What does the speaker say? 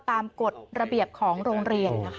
ตามกฎระเบียบของโรงเรียน